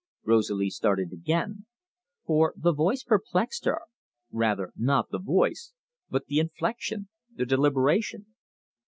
Rosalie started again, for the voice perplexed her rather, not the voice, but the inflection, the deliberation.